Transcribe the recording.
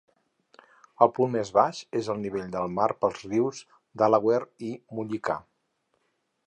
El punt més baix és el nivell del mar pels rius Delaware i Mullica.